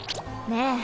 ねえ。